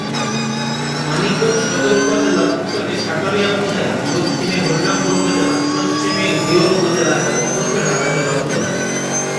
মানিকগঞ্জ সদর উপজেলার উত্তরে সাটুরিয়া উপজেলা, দক্ষিণে হরিরামপুর উপজেলা, পশ্চিমে ঘিওর উপজেলা এবং পূর্বে ঢাকা জেলা অবস্থিত।